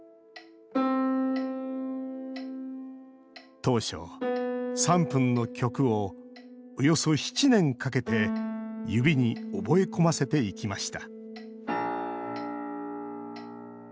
当初、３分の曲をおよそ７年かけて指に覚え込ませていきました